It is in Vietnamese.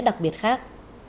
đặc biệt khác